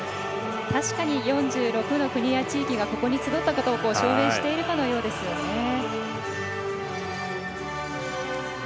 確かに４６の国や地域がここに集ったことを証明しているかのようですね。